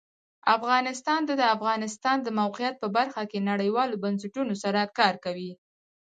افغانستان د د افغانستان د موقعیت په برخه کې نړیوالو بنسټونو سره کار کوي.